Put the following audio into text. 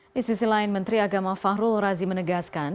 di sisi lain menteri agama fahrul razi menegaskan